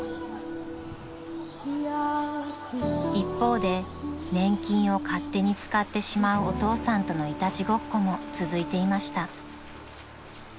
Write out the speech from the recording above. ［一方で年金を勝手に使ってしまうお父さんとのいたちごっこも続いていました］